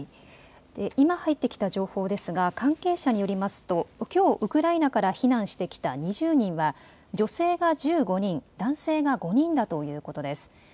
今、入ってきた情報ですが関係者によりますときょうウクライナから避難してきた２０人は女性が１５人男性が５人だということです。